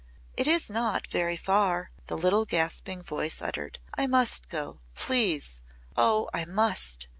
"It is not very far," the little gasping voice uttered. "I must go, please! Oh! I must!